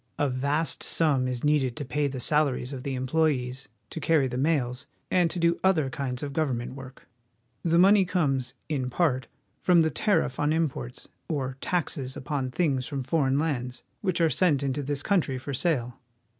A vast sum is needed to pay the salaries of the employees, to carry the mails, and to do other kinds of government work. The money comes, in part, from the tariff on imports, or taxes upon things from foreign lands which are sent into this country for sale.